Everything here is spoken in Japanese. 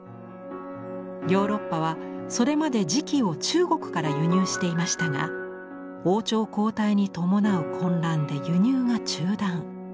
ヨーロッパはそれまで磁器を中国から輸入していましたが王朝交代に伴う混乱で輸入が中断。